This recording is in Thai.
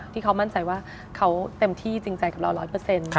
ที่เขามั่นใจว่าเขาเต็มที่จริงจัยกับเรา๑๐๐